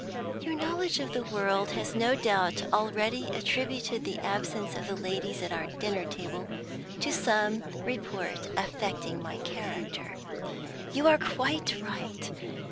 "Your knowledge of the world has no doubt already attributed the absence of the ladies at our dinner table to some report affecting my character. You are quite right.